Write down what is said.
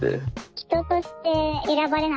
人として選ばれなかった。